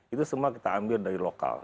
itu semua kita ambil dari lokal